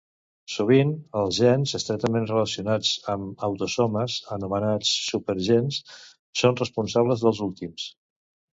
Sovint, els gens estretament relacionats en autosomes anomenats "supergens" són responsables dels últims.